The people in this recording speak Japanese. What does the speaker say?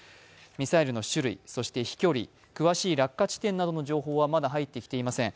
ミサイルの種類、飛距離、詳しい落下地点の情報などはまだ入ってきていません。